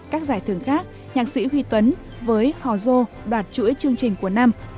các giải thưởng khác nhạc sĩ huy tuấn với hò dô đoạt chuỗi chương trình của năm